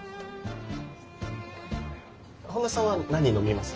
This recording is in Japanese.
本田さんは何飲みます？